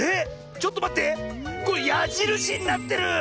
ちょっとまって！やじるしになってる！